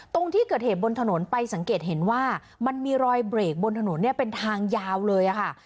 ตรงที่เกิดเหตุบนถนนไปสังเกตเห็นว่ามันมีรอยเบรกบนถนนเนี่ยเป็นทางยาวเลยค่ะ